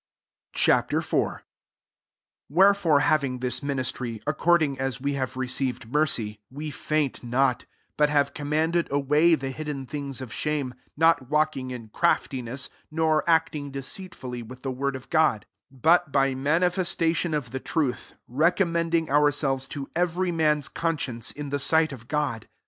* Ch. IV, 1 Wherefore hav ing this ministry, according as we have received mercy, we faint not ; 2 but have command ed away the hidden things of shame, not walking in crafti ness, nor acting deceitfully with the word of God; but, by manifestation of the truth, recommending ourselves to every man's conscience, in the sight of God.